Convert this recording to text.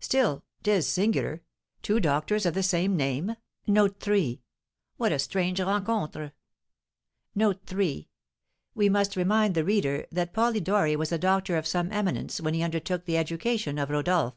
Still, 'tis singular; two doctors of the same name, what a strange rencontre!" We must remind the reader that Polidori was a doctor of some eminence when he undertook the education of Rodolph.